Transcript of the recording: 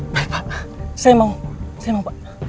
baik pak saya mau